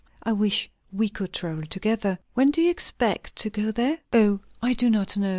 "I wish we could travel together! When do you expect to get there?" "O, I do not know.